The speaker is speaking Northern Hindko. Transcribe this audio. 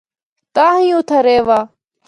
تاں ہی اُتّھا رہوّا۔